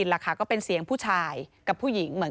ใช่อ่าอ่าโอเครู้เรื่อง